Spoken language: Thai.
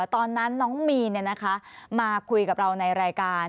ตอนนั้นน้องมีนมาคุยกับเราในรายการ